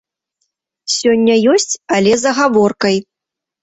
Сёння ёсць, але з агаворкай.